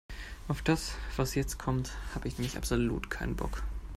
Auf das, was jetzt kommt, habe ich nämlich absolut keinen Bock.